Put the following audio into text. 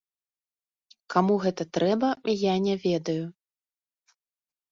Каму гэта трэба, я не ведаю.